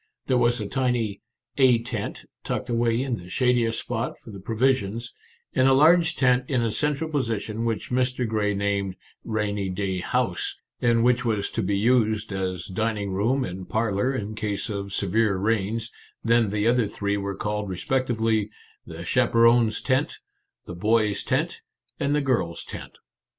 There was a tiny " A tent " tucked away in the shadiest spot for the pro visions, and a large tent in a central position which Mr. Grey named " Rainy Day House," and which was to be used as dining room and parlour in case of severe rains; then the other three were called respectively, " The Chaper ons' Tent," "The Boys' Tent," and "The Girls' Tent."